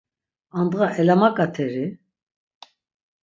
Andğa elamaǩateri?